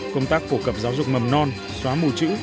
công tác phổ cập giáo dục mầm non xóa mù chữ